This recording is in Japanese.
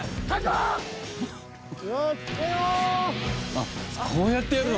あっこうやってやるの。